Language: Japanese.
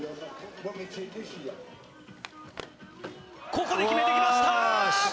ここで決めてきました！